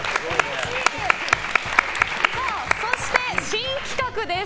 そして、新企画です。